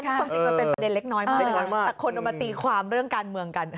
ความจริงมันเป็นประเด็นเล็กน้อยมากแต่คนเอามาตีความเรื่องการเมืองกัน